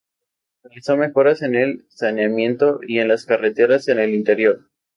Realizó mejoras en el saneamiento y en las carreteras en el interior.